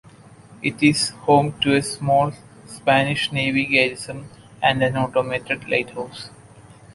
It is home to a small Spanish Navy garrison and an automated lighthouse.